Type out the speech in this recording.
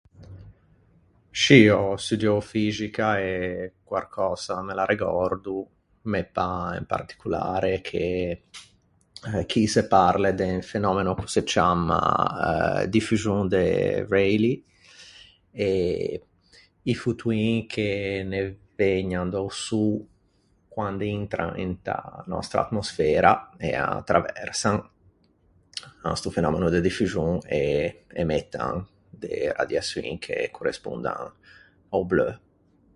Scì, ò studiou fixica e quarcösa me l’arregòrdo. Me pâ in particolare che chì se parle de un fenòmeno ch’o se ciamma eh diffuxon de Rayleigh, e i fotoin che ne vëgnan da-o Sô, quande intran inta nòstra atmosfera e â traversan, an sto fenòmeno de diffuxon e emettan de radiaçioin che correspondan a-o bleu.